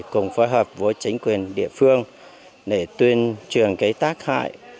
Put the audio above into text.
cùng phối hợp với chính quyền địa phương để tuyên truyền cái tác hại